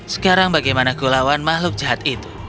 sekarang bagaimana aku melawan makhluk jahat itu